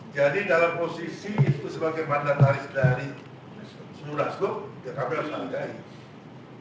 jadi dalam posisi itu sebagai mandataris dari surasgo jkp harus menjahit